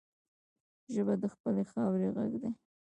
ژبه د خپلې خاورې غږ دی